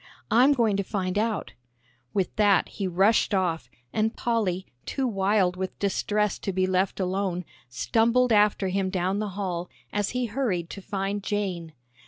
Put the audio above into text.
I'm going to find out" With that he rushed off, and Polly, too wild with distress to be left alone, stumbled after him down the hall, as he hurried to find Jane.